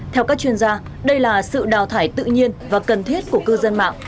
theo các chuyên gia đây là sự đào thải tự nhiên và cần thiết của cư dân mạng